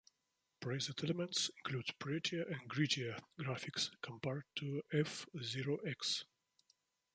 Praised elements include "prettier" and "grittier" graphics compared to "F-Zero X.